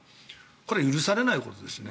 これは許されないことですね。